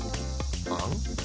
あん？